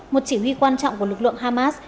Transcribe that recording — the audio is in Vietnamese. một chỉ huy quan trọng của lực lượng hamas